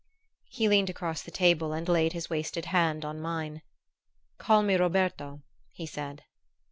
He leaned across the table and laid his wasted hand on mine. "Call me Roberto," he said.